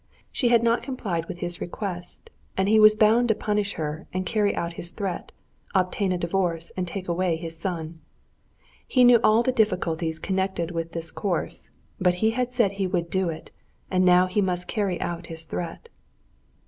She had not complied with his request, and he was bound to punish her and carry out his threat—obtain a divorce and take away his son. He knew all the difficulties connected with this course, but he had said he would do it, and now he must carry out his threat.